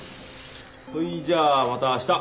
ほいじゃまた明日。